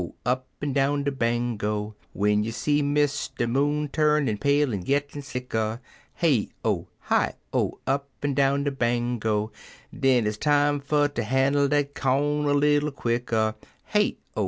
Upn down de Bango!) W'en you see Mister Moon turnin' pale en gittin" sicker — (Hey O! Hi O! Up'n down de Bango!) Den hit'stime fer ter handle dat corn a little quicker— (Hey O!